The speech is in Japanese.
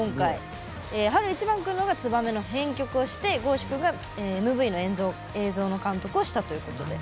晴いちばん君のほうが「ツバメ」の編曲をしてｇｏ‐ｓｈｕ君がＭＶの映像の監督をしたということで。